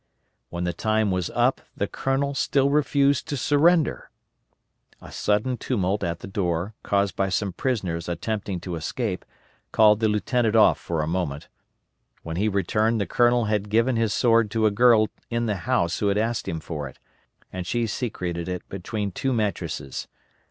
When the time was up the Colonel still refused to surrender. A sudden tumult at the door, caused by some prisoners attempting to escape, called the lieutenant off for a moment. When he returned the colonel had given his sword to a girl in the house who had asked him for it, and she secreted it between two mattresses.